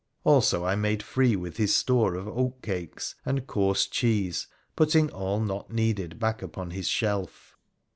Also, I made free with his store of oak cakes and coarse cheese, putting all not needed back upon his shelf.